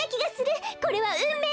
これはうんめいだわ！